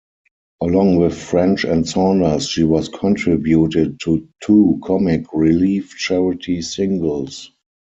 Along with French and Saunders, she has contributed to two Comic Relief charity singles.